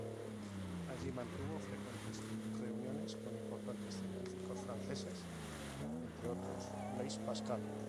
Allí mantuvo frecuentes reuniones con importantes científicos franceses, entre otros, Blaise Pascal.